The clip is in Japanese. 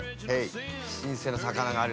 新鮮な魚がある。